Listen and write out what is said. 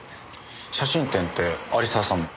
写真展って有沢さんの？